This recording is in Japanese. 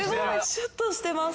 シュッとしてます！